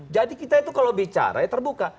jadi kita itu kalau bicara ya terbuka